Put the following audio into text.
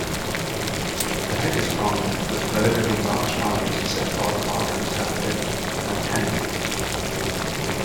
The head is prominent, with relatively large eyes set far apart, and capitate antennae.